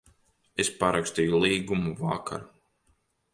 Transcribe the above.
Es parakstīju līgumu vakar.